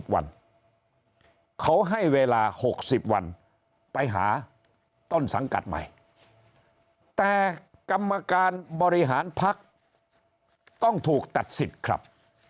เขาให้เวลา๖๐วันไปหาต้นสังกัดใหม่แต่กรรมการบริหารพักต้องถูกตัดสิทธิ์ครับ